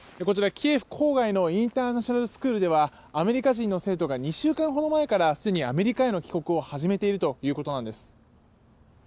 こちら、キエフ郊外のインターナショナルスクールではアメリカ人の生徒が２週間ほど前からすでにアメリカへの帰国を始めているということなんです。